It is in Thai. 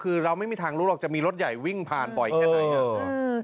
คือเราไม่มีทางรู้หรอกจะมีรถใหญ่วิ่งผ่านบ่อยแค่ไหน